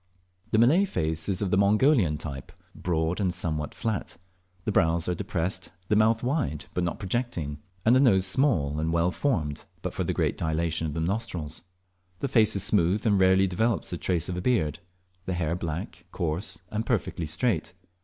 The Malay face is of the Mongolian type, broad and somewhat flat. The brows are depressed, the mouth wide, but not projecting, and the nose small and well formed but for the great dilatation of the nostrils. The face is smooth, and rarely develops the trace of a beard; the hair black, coarse, and perfectly straight.